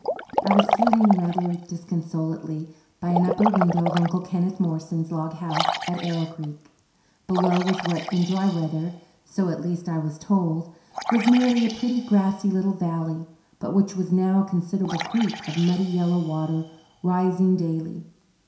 I was sitting rather disconsolately by an upper window of Uncle Kenneth Morrison's log house at Arrow Creek. Below was what in dry weather so, at least, I was told was merely a pretty, grassy little valley, but which was now a considerable creek of muddy yellow water, rising daily.